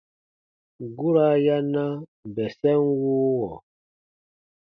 Guraa ya na bɛsɛn wuuwɔ.